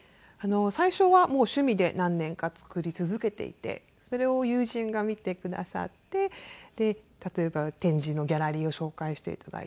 最初はもう趣味で何年か作り続けていてそれを友人が見てくださって例えば展示のギャラリーを紹介して頂いて。